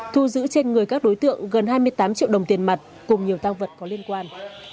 thu giữ trên người các đối tượng gần hai mươi tám triệu đồng tiền mặt cùng nhiều tăng vật có liên quan